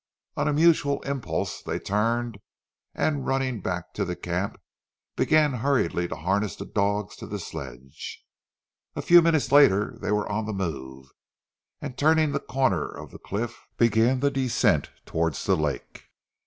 On a mutual impulse they turned and running back to the camp, began hurriedly to harness the dogs to the sledge. A few minutes later they were on the move, and turning the corner of the cliff began the descent towards the lake.